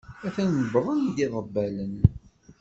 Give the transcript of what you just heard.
Atnan wwḍen-d yiḍebbalen.